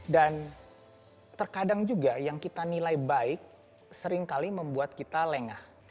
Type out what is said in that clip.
dan terkadang juga yang kita nilai baik seringkali membuat kita lengah